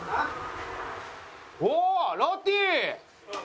おおロティ！